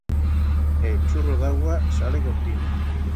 El churro d'augua sale contino.